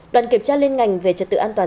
đoàn kiểm tra liên ngành về trật tự an toàn